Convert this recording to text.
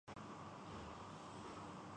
وہ باب رقم ہوا کہ